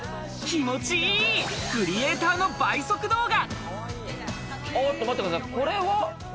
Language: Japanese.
気持ちいいクリエイターの倍速動画！